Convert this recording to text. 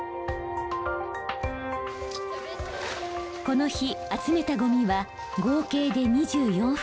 この日集めたゴミは合計で２４袋。